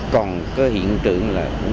còn có hiện trường là